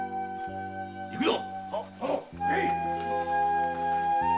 行くぞ。